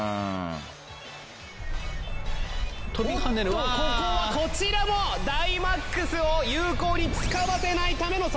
おっとここはこちらもダイマックスを有効に使わせないための策。